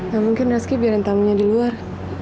gak mungkin reski biarin tamunya di luar